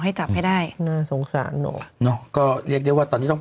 ให้จับให้ได้น่าสงสารหนูเนอะก็เรียกได้ว่าตอนนี้ต้อง